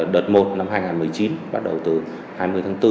đợt một năm hai nghìn một mươi chín bắt đầu từ hai mươi tháng bốn